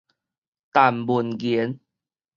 陳問言